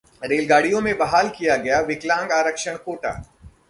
रेलगाड़ियों में बहाल किया गया विकलांग आरक्षण कोटा